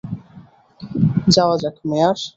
যাওয়া যাক, মেয়ার।